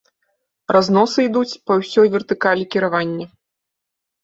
Разносы ідуць па ўсёй вертыкалі кіравання.